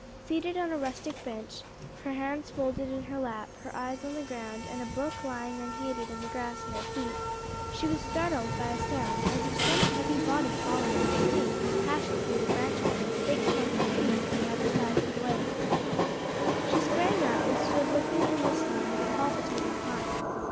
Seated on a rustic bench, her hands folded in her lap, her eyes on the ground and a book lying unheeded in the grass at her feet, she was startled by a sound as of some heavy body falling from a height and crashing through the branches of a thick clump of trees on the other side of the lake. She sprang up and stood looking and listening with a palpitating heart.